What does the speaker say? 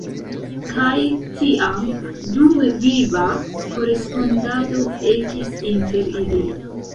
Kaj tiam dumviva korespondado ekis inter ili.